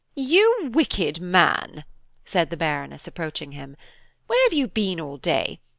"You wicked man!" said the Baroness, approaching him, "where have you been all day?